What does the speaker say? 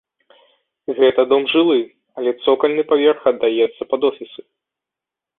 Гэта дом жылы, але цокальны паверх аддаецца пад офісы.